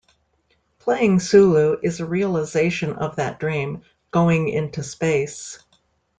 Playing Sulu is a realization of that dream - going into space.